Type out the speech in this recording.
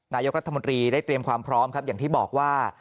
นายกรัฐมนตรีได้เตรียมความพร้อมครับอย่างที่บอกว่า